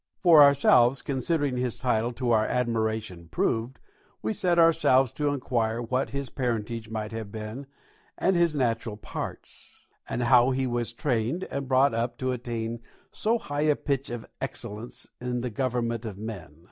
For ourselves, considering his title to our admiration proved, we set ourselves to inquire what his parentage might have been and his natural parts, and how he was trained and brought up to attain so high a pitch of excellence in the government of men.